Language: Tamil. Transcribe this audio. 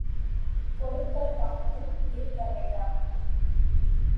கொடுக்கத் தனமும் இருக்க வேண்டாமா?